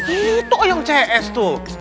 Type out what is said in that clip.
itu yang cs tuh